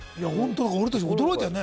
俺たちも驚いたよね。